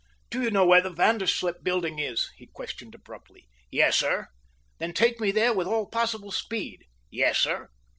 "Do you know where the Vanderslip Building is?" he questioned abruptly. "Yes, sir." "Then take me there with all possible speed." "Yes, sir."